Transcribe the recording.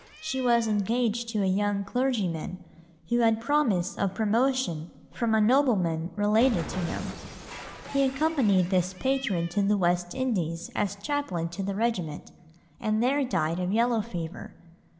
She was engaged to a young clergyman who had promise of promotion from a nobleman related to him. He accompanied this patron to the West Indies as chaplain to the regiment, and there died of yellow fever.